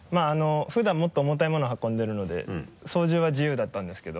普段もっと重たいもの運んでるので操縦は自由だったんですけど。